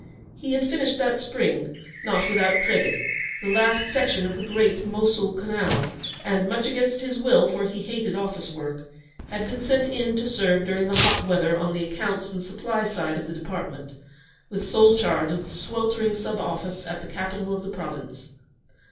He had finished that spring, not without credit, the last section of the great Mosuhl Canal, and much against his will, for he hated office work had been sent in to serve during the hot weather on the accounts and supply side of the Department, with sole charge of the sweltering sub office at the capital of the Province.